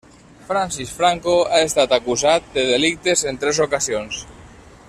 Francis Franco ha estat acusat de delictes en tres ocasions.